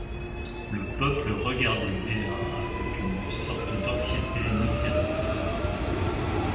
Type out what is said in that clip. Le peuple regardait Dea avec une sorte d’anxiété mystérieuse.